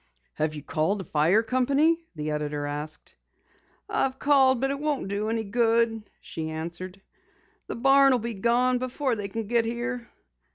"Have you called a fire company?" the editor asked. "I've called, but it won't do any good," she answered. "The barn will be gone before they can get here."